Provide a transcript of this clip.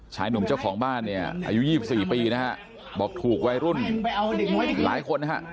ชายหนุ่มเจ้าของบ้านเนี่ยอายุ๒๔ปีนะครับ